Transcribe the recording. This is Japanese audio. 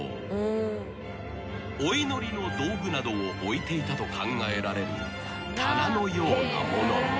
［お祈りの道具などを置いていたと考えられる棚のようなものも］